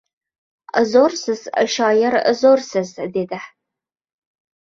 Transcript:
— Zo‘rsiz, shoir, zo‘rsiz! — dedi.